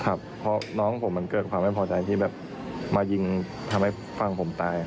ครับเพราะน้องผมมันเกิดความไม่พอใจที่แบบมายิงทำให้ฝั่งผมตาย